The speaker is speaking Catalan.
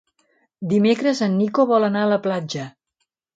Dimecres en Nico vol anar a la platja.